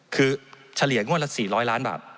คือเฉลี่ยงวดละ๔๐๐ล้านบาท